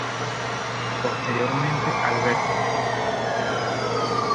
Posteriormente Alberti escribió el poema.